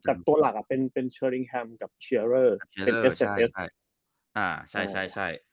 แต่ตัวหลักอ่ะเป็นเป็นเชอร์ลิงแฮมกับเชอร์เรอร์ใช่ใช่อ่าใช่ใช่ใช่